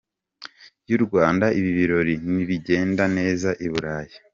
y’u Rwanda ibi birori, nibigenda neza i Burayi.